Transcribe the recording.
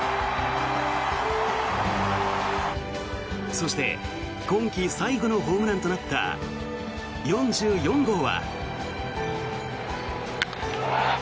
そして、今季最後のホームランとなった４４号は。